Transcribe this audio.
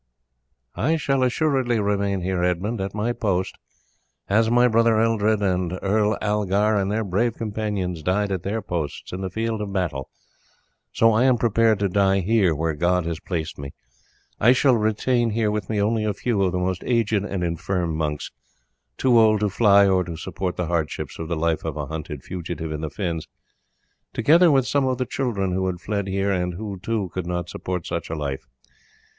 "I shall assuredly remain here, Edmund, at my post, and as my brother Eldred and Earl Algar and their brave companions died at their posts in the field of battle, so I am prepared to die here where God has placed me. I shall retain here with me only a few of the most aged and infirm monks, too old to fly or to support the hardships of the life of a hunted fugitive in the fens; together with some of the children who have fled here, and who, too, could not support such a life.